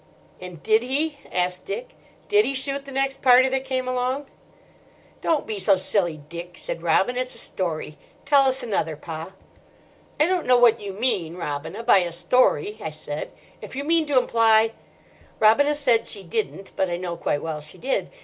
'" "And did he," asked Dick—"did he shoot the next party that came along?" "Don't be so silly, Dick," said Robin; "it's a story. Tell us another, Pa." "I don't know what you mean, Robina, by a story," I said. "If you mean to imply—" Robina said she didn't; but I know quite well she did.